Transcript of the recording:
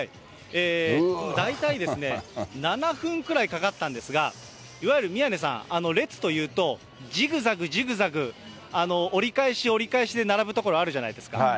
大体ですね、７分くらいかかったんですが、いわゆる宮根さん、列というと、じぐざぐじぐざぐ折り返し、折り返しで並ぶ所あるじゃないですか。